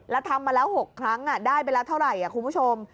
แล้วทำมาแล้ว๖ครั้งได้ไปแล้วเท่าไหร่คุณผู้ชม